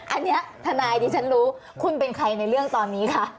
อันนี้ทนายดิฉันรู้คุณเป็นใครในเรื่องตอนนี้คะ